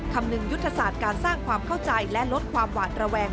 คำนึงยุทธศาสตร์การสร้างความเข้าใจและลดความหวานระแวง